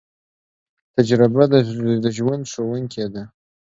تجربه د ژوند ښوونکی ده